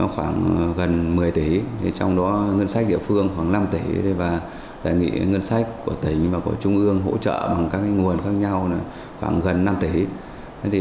khoảng gần một mươi tỷ trong đó ngân sách địa phương khoảng năm tỷ và đề nghị ngân sách của tỉnh và của trung ương hỗ trợ bằng các nguồn khác nhau khoảng gần năm tỷ